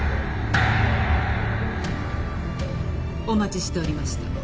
お待ちしておりました。